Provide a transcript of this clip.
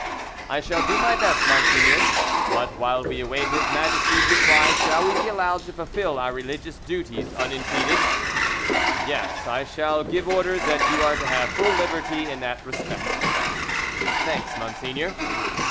"I shall do my best, monseigneur; but while we await His Majesty's reply shall we be allowed to fulfil our religious duties unimpeded?" "Yes, I shall give orders that you are to have full liberty in that respect." "Thanks, monseigneur."